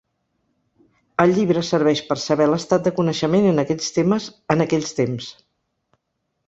El llibre serveix per saber l'estat de coneixement en aquells temes en aquell temps.